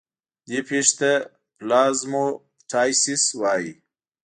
دې پېښې ته پلازموپټایسس وایي.